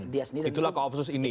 dia sendiri itulah koopsus ini ya